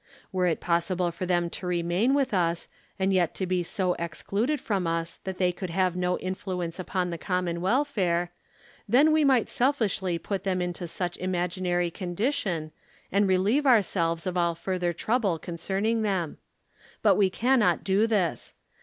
"Were it possible for them to remain with us, and yet be so excluded from us, tliat they could have no influence upon the com mon welfare, then we might selfishly put them into such im maginary condition, and relieve ourselves of all further trouble concerning them. But we cannot do this.